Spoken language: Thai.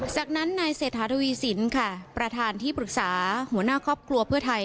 จากนั้นนายเศรษฐาทวีสินค่ะประธานที่ปรึกษาหัวหน้าครอบครัวเพื่อไทย